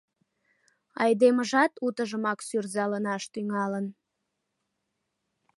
Айдемыжат утыжымак сӱрзыланаш тӱҥалын.